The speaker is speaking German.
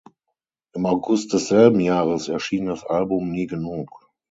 Im August desselben Jahres erschien das Album "Nie genug".